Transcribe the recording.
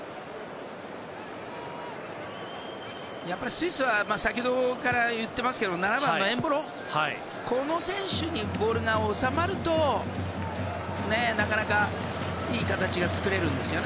スイスはやっぱり先ほどから言ってますけど７番のエンボロにボールが収まるといい形が作れるんですよね。